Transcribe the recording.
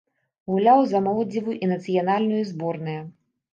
Гуляў за моладзевую і нацыянальную зборныя.